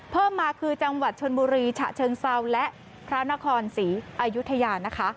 เพิ่มมาคือจังหวัดชนบุรีฉะเชิงเศร้าพระนครศรีอยุธยา